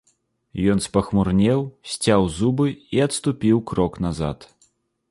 Ён спахмурнеў, сцяў зубы і адступіў крок назад.